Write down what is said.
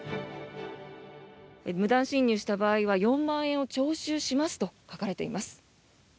無断進入した場合は４万円を徴収しますと書かれています。